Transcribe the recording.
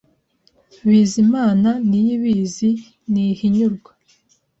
Bizimana, Niyibizi, Ntihinyurwa”